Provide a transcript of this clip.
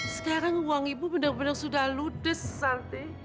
sekarang uang ibu benar benar sudah ludes sate